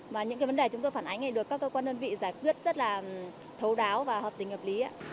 và những vấn đề chúng tôi phản ánh được các cơ quan đơn vị giải quyết rất là thấu đáo và hợp tình hợp lý